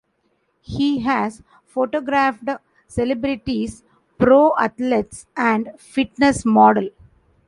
He has photographed celebrities, pro athletes and fitness model.